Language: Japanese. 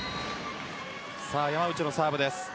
山内のサーブです。